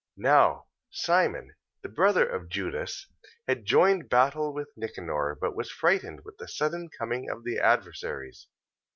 14:17. Now Simon, the brother of Judas, had joined battle with Nicanor: but was frightened with the sudden coming of the adversaries.